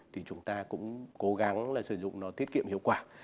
thì chúng ta cũng cố gắng là sử dụng nó tiết kiệm hiệu quả